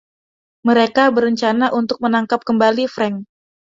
Mereka berencana untuk menangkap kembali Frank.